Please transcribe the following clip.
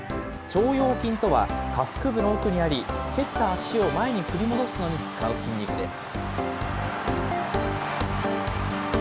腸腰筋とは、下腹部の奥にあり、蹴った足を前に振り戻すのに使う筋肉です。